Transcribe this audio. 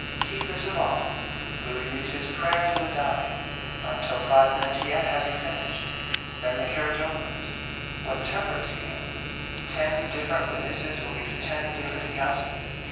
Heedless of all, Louis reads his Prayers of the Dying; not till five minutes yet has he finished; then the Carriage opens. What temper he is in? Ten different witnesses will give ten different accounts of it.